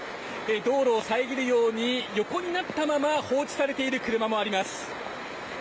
道路を遮るように横になったまま放置されている車もあります。